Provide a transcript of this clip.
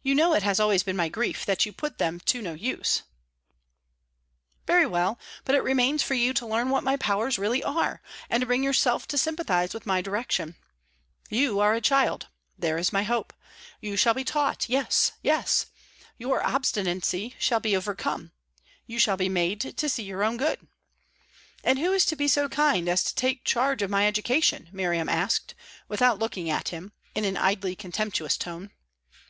"You know it has always been my grief that you put them to no use." "Very well. But it remains for you to learn what my powers really are, and to bring yourself to sympathize with my direction. You are a child there is my hope. You shall be taught yes, yes! Your obstinacy shall be overcome; you shall be made to see your own good!" "And who is to be so kind as to take charge of my education?" Miriam asked, without looking at him, in an idly contemptuous tone.